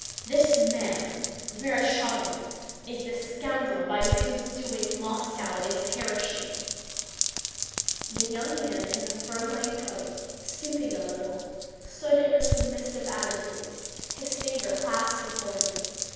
"This man, Vereshchágin, is the scoundrel by whose doing Moscow is perishing." The young man in the fur lined coat, stooping a little, stood in a submissive attitude, his fingers clasped before him.